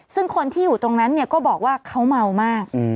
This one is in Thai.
ซึ่งคนที่อยู่ตรงนั้นเนี่ยก็บอกว่าเขาเมามาก